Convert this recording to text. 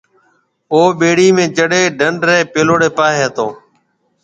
او ٻيڙِي ۾ چڙھيَََ دنڍ رَي پيلوڙَي پاھيََََ ھتو۔